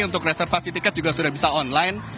untuk reservasi tiket juga sudah bisa online